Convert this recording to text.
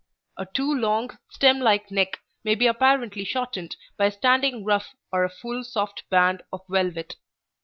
A too long, stem like neck may be apparently shortened by a standing ruff or a full, soft band of velvet.